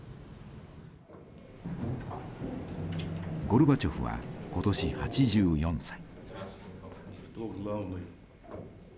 ゴルバチョフは今年８４歳。